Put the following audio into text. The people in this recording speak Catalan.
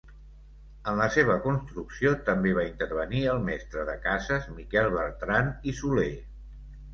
En la seva construcció també va intervenir el mestre de cases Miquel Bertran i Soler.